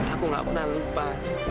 aku nggak pernah lupa